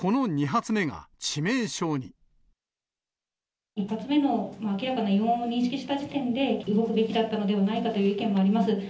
１発目の、明らかな異音を認識した時点で、動くべきだったのではないかという意見があります。